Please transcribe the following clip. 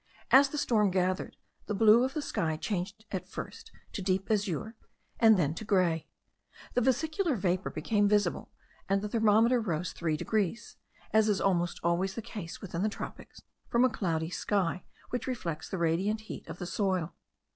As the storm gathered, the blue of the sky changed at first to deep azure and then to grey. The vesicular vapour became visible, and the thermometer rose three degrees, as is almost always the case, within the tropics, from a cloudy sky which reflects the radiant heat of the soil.